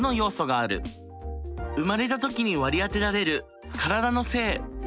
生まれた時に割り当てられる体の性。